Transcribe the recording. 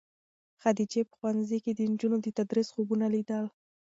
خدیجې په ښوونځي کې د نجونو د تدریس خوبونه لیدل.